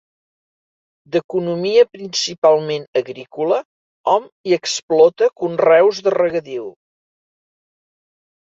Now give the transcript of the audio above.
D'economia principalment agrícola, hom hi explota conreus de regadiu.